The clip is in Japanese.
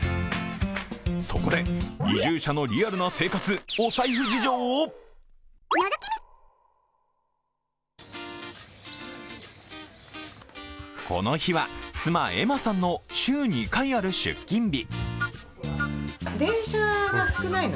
そこで移住者のリアルな生活、お財布事情をこの日は妻・絵麻さんの週２回ある出勤日。